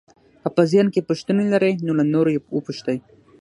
که په ذهن کې پوښتنې لرئ نو له نورو یې وپوښته.